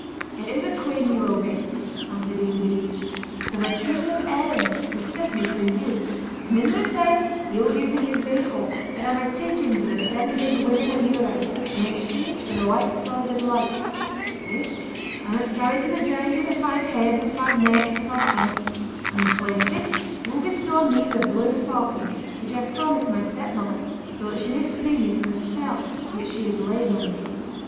'It is a queen you will be,' answered Ian Direach, 'for the king of Erin has sent me for you, and in return he will give me his bay colt, that I may take him to the Seven Big Women of Dhiurradh, in exchange for the White Sword of Light. This I must carry to the giant of the Five Heads and Five Necks and Five Humps, and, in place of it, he will bestow on me the blue falcon, which I have promised my stepmother, so that she may free me from the spell which she has laid on me.